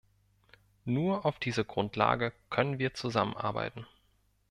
Nur auf dieser Grundlage können wir zusammenarbeiten.